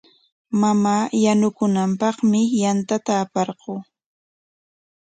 Mamaa yanukunanpaqmi yantata aparquu.